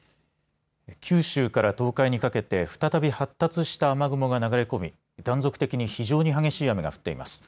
九州から東海にかけて再び発達した雨雲が流れ込み断続的に非常に激しい雨が降っています。